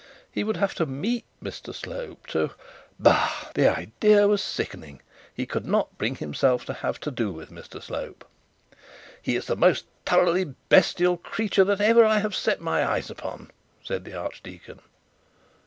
He would have to meet Mr Slope; to Bah! The idea was sickening. He could not bring himself to have to do with Mr Slope. 'He is the most thoroughly bestial creature that ever I set my eyes upon,' said the archdeacon.